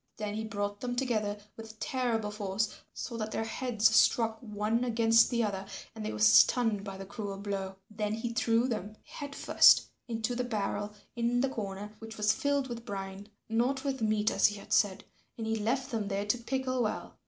Then he brought them together with terrible force so that their heads struck one against the other and they were stunned by the cruel blow. Then he threw them head first into the barrel in the corner which was filled with brine, not with meat as he had said, and he left them there to pickle well.